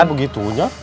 gak begitu nya